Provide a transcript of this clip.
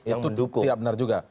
itu tidak benar juga